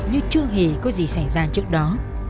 như chưa hề có gì xảy ra trước đó